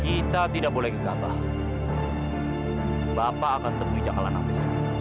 kita tidak boleh kegabah bapak akan terbicara nanti